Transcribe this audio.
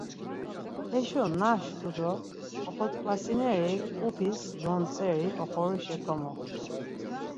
Heşo naşku do oxot̆ǩvatsineri, upis dontzeri oxorişa komoxtu.